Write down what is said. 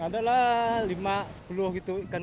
adalah lima sepuluh gitu ikan